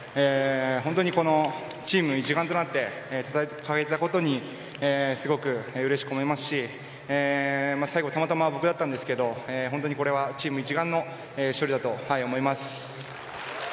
本当に、チーム一丸となって戦えたことにすごくうれしく思いますし最後、たまたま僕だったんですけど本当にこれはチーム一丸の勝利だと思います。